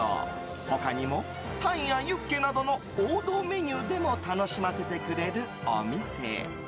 他にもタンやユッケなどの王道メニューでも楽しませてくれるお店。